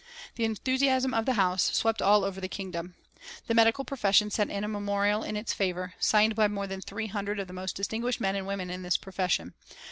The enthusiasm of the House swept all over the Kingdom. The medical profession sent in a memorial in its favour, signed by more than three hundred of the most distinguished men and women in the profession.